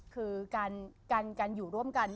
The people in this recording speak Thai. คือการอยู่ร่วมกัน